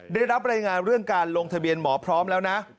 ได้รับรายงานเรื่องการลงทะเบียนหมอพร้อมแล้วนะ